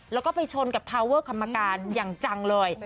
แล้วก็ไปชนกับทาวเวอร์กรรมการอย่างจังเลย